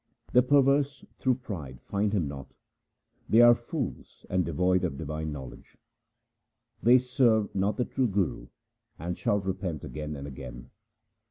The perverse through pride find Him not ; they are fools and devoid of divine knowledge. They serve not the true Guru, and shall repent again and again.